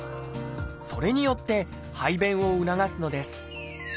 それによって排便を促すのです。